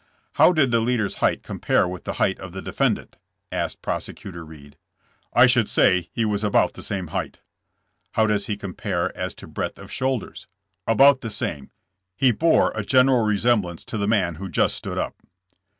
How did the leader's height compare with the height of the defendant?" asked Prosecutor Reed. *'I should say he was about the same height." How does he compare as to breadth of shoul ders?" "About the same. He bore a general resem blance to the man who just stood up."